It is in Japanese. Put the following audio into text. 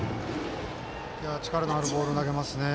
力のあるボールを投げますね。